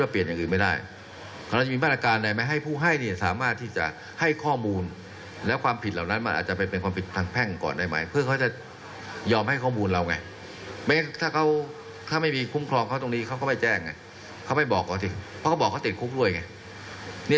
เพราะว่าพวกเขาติดคุกด้วยไง